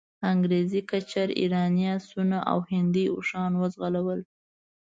انګریزي کچر، ایراني آسونه او هندي اوښان وځغلول.